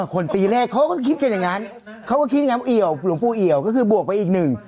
คนตีแรกเขาก็คิดแบบนั้นหลวงปู่เอียวก็คือบวกไปอีกหนึ่ง